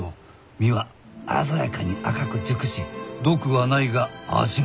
実は鮮やかに赤く熟し毒はないが味もない。